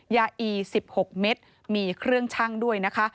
อี๑๖เม็ดมีเครื่องชั่งด้วยนะคะ